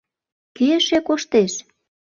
— Кӧ эше коштеш?